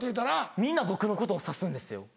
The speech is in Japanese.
みんな僕のことを指すんですよ。